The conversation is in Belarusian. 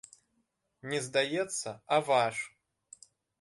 Не здаецца, а ваш!